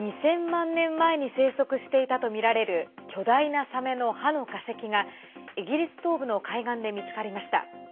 ２０００万年前に生息していたとみられる巨大な、さめの歯の化石がイギリス東部の海岸で見つかりました。